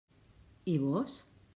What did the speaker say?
I vós?